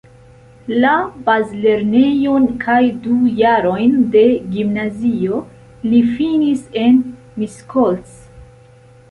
La bazlernejon kaj du jarojn de gimnazio li finis en Miskolc.